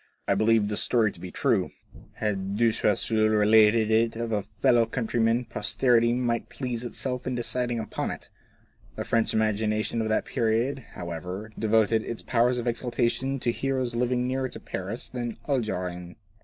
I believe this story to be true. Had De Choiseul related it of a fellow countryman posterity might please itself in deciding upon it. The French imagination of that period, how ever, devoted its powers of exaltation to heroes living nearer to Paris than the Algerines.